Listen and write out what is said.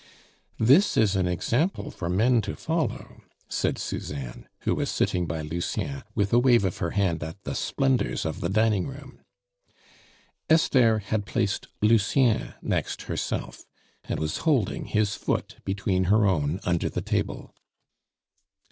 "This is an example for men to follow!" said Suzanne, who was sitting by Lucien, with a wave of her hand at the splendors of the dining room. Esther had placed Lucien next herself, and was holding his foot between her own under the table.